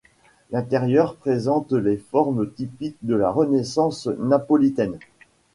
L'intérieur présente les formes typiques de la Renaissance napolitaine.